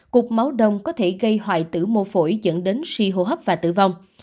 cuộc máu đông có thể gây hoại tử mô phổi dẫn đến si hô hấp và tử vong